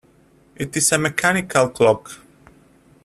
It is a mechanical clock.